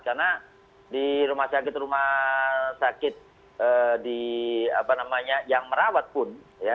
karena di rumah sakit rumah sakit yang merawat pun